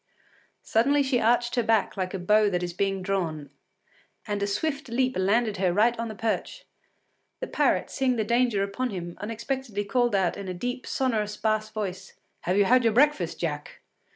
Suddenly she arched her back like a bow that is being drawn, and a swift leap landed her right on the perch. The parrot, seeing the danger upon him, unexpectedly called out in a deep, sonorous bass voice: “Have you had your breakfast, Jack?